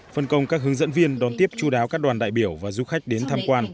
phân công các hướng dẫn viên đón tiếp chú đáo các đoàn đại biểu và du khách đến tham quan